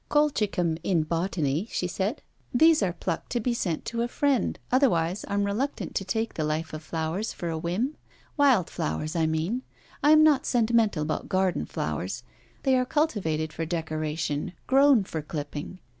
Colchicum, in Botany, she said. 'These are plucked to be sent to a friend; otherwise I'm reluctant to take the life of flowers for a whim. Wild flowers, I mean. I am not sentimental about garden flowers: they are cultivated for decoration, grown for clipping.'